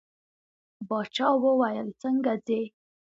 باچا وویل څنګه ځې.